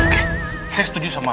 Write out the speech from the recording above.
oke saya setuju sama